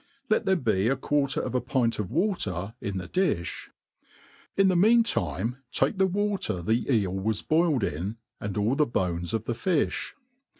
Let there be a quarter of a pint of water in the difh. In the mean time take the water the eel was boiled in, andl A\ the bones of the fi(h.